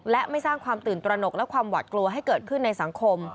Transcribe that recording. และไม่สร้างความตื่นตระหนกและความหวัดกลัวให้เกิดขึ้นในสังคม